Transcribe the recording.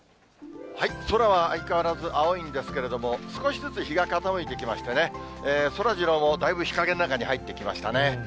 空は相変わらず青いんですけれども、少しずつ日が傾いてきましてね、そらジローもだいぶ日陰の中に入ってきましたね。